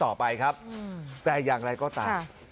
ต่อไปครับแต่อย่างไรก็ตาม